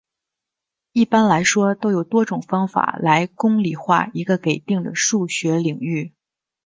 一般来说都有多种方法来公理化一个给定的数学领域。